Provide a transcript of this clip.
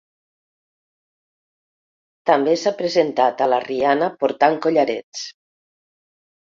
També s'ha presentat a la Rihanna portant collarets.